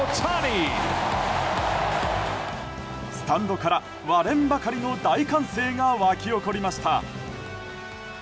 スタンドから割れんばかり大歓声が沸き起こりました。